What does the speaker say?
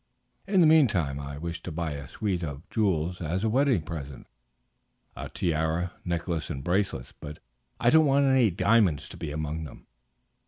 In the meantime, I wish to buy a suite of jewels as a wedding present, a tiara, necklace, and bracelets; but I do not want any diamonds to be among them."